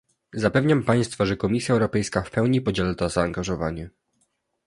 Zapewniam państwa, że Komisja Europejska w pełni podziela to zaangażowanie